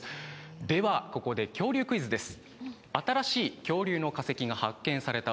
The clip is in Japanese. ではここで恐竜クイズです。